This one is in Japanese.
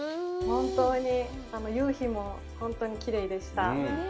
本当に夕日も本当にきれいでした。